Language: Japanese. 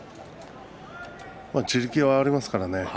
地力はありますからね。